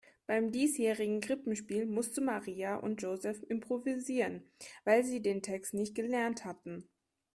Beim diesjährigen Krippenspiel mussten Maria und Joseph improvisieren, weil sie den Text nicht gelernt hatten.